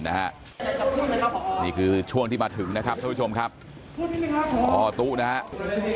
นี่คือช่วงที่มาถึงนะครับท่านผู้ชมครับพ่อตู้นะครับ